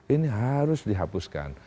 ini harus dihapuskan